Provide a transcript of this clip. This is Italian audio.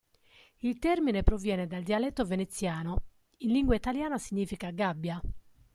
Il termine proviene dal dialetto veneziano, in lingua italiana significa "gabbia".